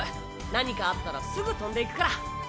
何かあったらすぐ飛んでいくから。